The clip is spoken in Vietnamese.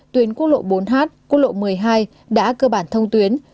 tuyến quốc lộ bốn h quốc lộ một mươi hai đã cơ bản thông tuyến